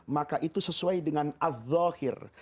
maka itu sesuai dengan adzohir